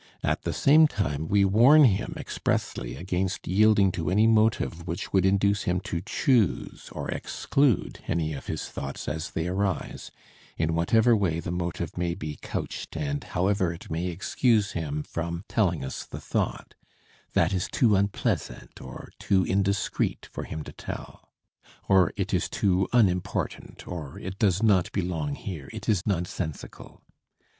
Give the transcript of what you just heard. At the same time, we warn him expressly against yielding to any motive which would induce him to choose or exclude any of his thoughts as they arise, in whatever way the motive may be couched and however it may excuse him from telling us the thought: "that is too unpleasant," or "too indiscreet" for him to tell; or "it is too unimportant," or "it does not belong here," "it is nonsensical."